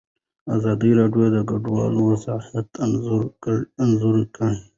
ازادي راډیو د کډوال وضعیت انځور کړی.